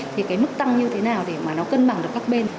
thì cái mức tăng như thế nào để mà nó cân bằng được các bên